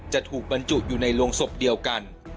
จะถูกบรรจุอยู่ในโรงศพเดียวกัน